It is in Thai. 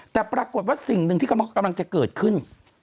แต่ปรากฏว่าสิ่งหนึ่งที่กำลังจะเกิดขึ้น